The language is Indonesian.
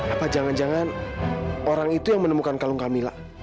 apa jangan jangan orang itu yang menemukan kalung kamila